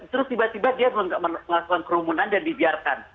terus tiba tiba dia melakukan kerumunan dan dibiarkan